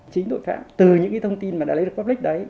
chính tội phạm từ những cái thông tin mà đã lấy được cuplic đấy